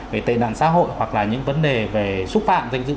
về tệ nạn xã hội hoặc là những vấn đề về xúc phạm